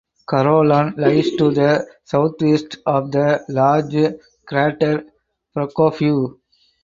Carolan lies to the southwest of the large crater Prokofiev.